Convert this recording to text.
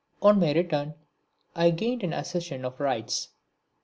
On my return I gained an accession of rights.